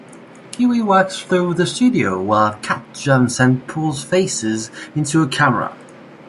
Kiwi walks through the studio while Cat jumps and pulls faces into a camera.